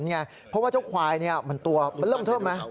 เพราะว่าเจ้าควายมันตัวมันเริ่มเทิมไหม